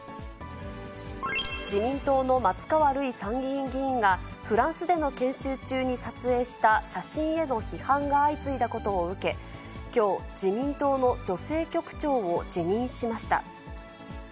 自民党の松川るい参議院議員が、フランスでの研修中に撮影した写真への批判が相次いだことを受け、きょう、自民党の女性局長を辞任しました。